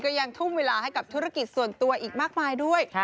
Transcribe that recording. ยังทุ่มเวลาให้กับธุรกิจส่วนตัวอีกมากมายด้วย